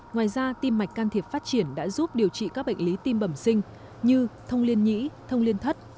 ngoài ra tim mạch can thiệp phát triển đã giúp điều trị các bệnh lý tim bẩm sinh như thông liên nhĩ thông liên thất